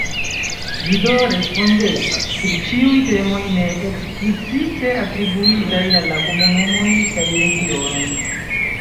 Ĝi do respondecas pri ĉiuj temoj ne eksplicite atribuitaj al la komunumoj kaj regionoj.